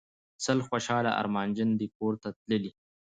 سل خوشحاله ارمانجن دي ګورته تللي